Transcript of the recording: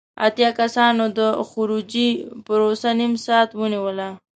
اتیا کسانو د خروجی پروسه نیم ساعت ونیوله.